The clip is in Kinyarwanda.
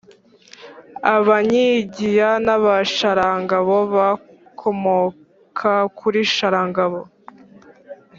Abanyigiya b’Abasharangabo bakomoka kuri Sharangabo